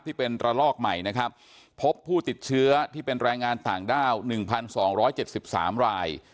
ที่เป็นตระลอกใหม่นะครับพบผู้ติดเชื้อที่เป็นแรงงานต่างด้าวหนึ่งพันสองร้อยเจ็ดสิบสามราย